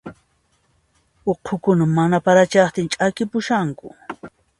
Uqhukuna mana para chayaqtin ch'akipushanku.